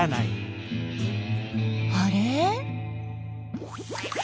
あれ？